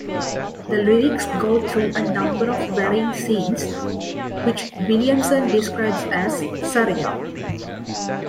The lyrics go through a number of varying scenes, which Williamson describes as surreal.